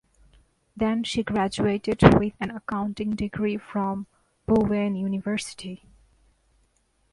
Then she graduated with an accounting degree from Bowen University.